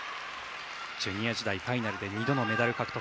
ジュニア時代ファイナルで２度のメダル獲得。